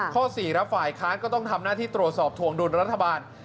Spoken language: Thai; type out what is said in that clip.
ข้อ๔ครับฝ่ายค้านก็ต้องทำหน้าที่ตรวจสอบถวงดุลรัฐบาล